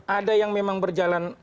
ada yang memang berjalan